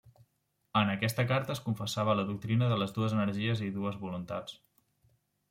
En aquesta carta es confessava la doctrina de les dues energies i dues voluntats.